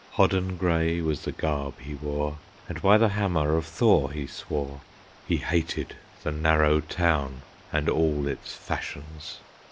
Hodden gray was the garb he wore, And by the Hammer of Thor he swore; He hated the narrow town, and all its fashions.